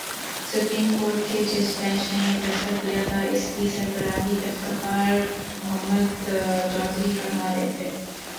Supreme court کے جس bench نے یہ فیصلہ دیا تھا، اس کی سربراہی افتخار محمد چودھری فرما رہے تھے۔